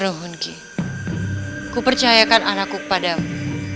aku percayakan anakku kepada mu